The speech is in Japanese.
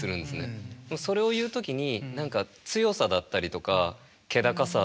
それを言う時に何か強さだったりとか気高さ